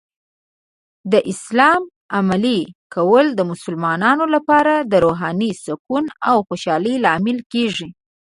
د اسلام عملي کول د مسلمانانو لپاره د روحاني سکون او خوشحالۍ لامل کیږي.